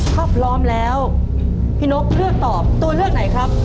ถ้าพร้อมแล้วพี่นกเลือกตอบตัวเลือกไหนครับ